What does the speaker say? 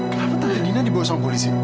kenapa tante dina dibawa sama polisi